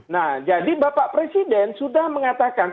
nah jadi bapak presiden sudah mengatakan